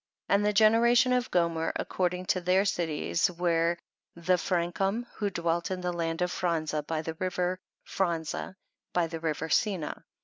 8. And the children of Gomer, ac cording to their cities, were the Fran cum who dwelt in the land of Franza by the river Fran za by the river Senah.